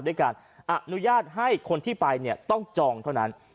ด้วยการอนุญาตให้คนที่ไปเนี่ยต้องจองเท่านั้น